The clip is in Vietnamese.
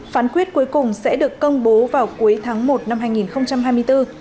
phán quyết cuối cùng sẽ được công bố vào cuối tháng một năm hai nghìn hai mươi bốn